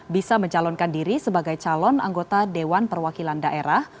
bisa mencalonkan diri sebagai calon anggota dewan perwakilan daerah